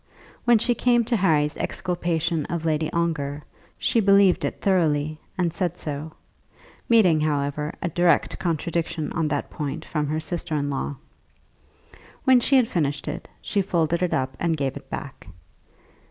When she came to Harry's exculpation of Lady Ongar, she believed it thoroughly, and said so, meeting, however, a direct contradiction on that point from her sister in law. When she had finished it, she folded it up and gave it back.